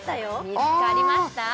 見つかりました？